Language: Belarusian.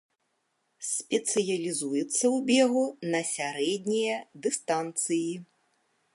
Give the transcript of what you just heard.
Спецыялізуецца ў бегу на сярэднія дыстанцыі.